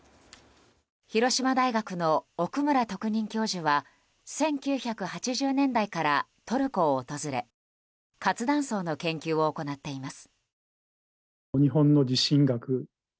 広島大学の奥村特任教授は１９８０年代からトルコを訪れ活断層の研究を行っています。